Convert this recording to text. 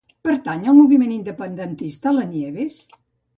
Pertany al moviment independentista la Nieves?